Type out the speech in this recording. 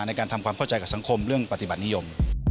ในการทำความเข้าใจกับสังคมเรื่องปฏิบัตินิยม